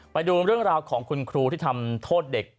ไปดูเรื่องราวของคุณครูที่ทำโทษเด็ก